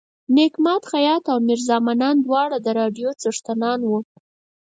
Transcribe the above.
نیک ماد خیاط او میرزا منان دواړه د راډیو څښتنان وو.